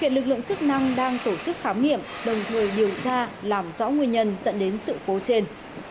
hiện lực lượng chức năng đang tổ chức khám nghiệm đồng thời điều tra làm rõ nguyên nhân dẫn đến sự cố trên